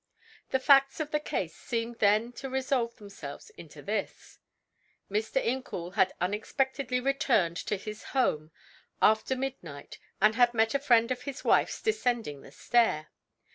The facts of the case seemed then to resolve themselves into this: Mr. Incoul had unexpectedly returned to his home after midnight, and had met a friend of his wife's descending the stair.